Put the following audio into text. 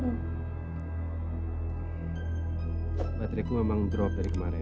handphone aku memang drop dari kemarin